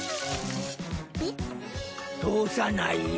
通さないよ。